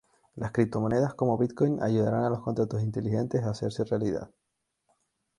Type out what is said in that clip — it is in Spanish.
Las criptomonedas como bitcoin ayudarán a los contratos inteligentes a hacerse realidad.